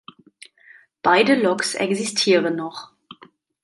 Beide Loks existieren noch.